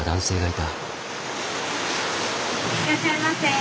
いらっしゃいませ。